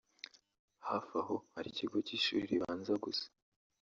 hafi aho hari ikigo cy’ishuri ribanza gusa